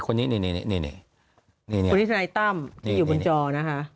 คนนี้ทนายตั้มที่อยู่บนจอนะฮะ